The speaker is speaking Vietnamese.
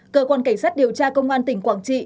cơ quan cảnh sát điều tra công an tỉnh quảng trị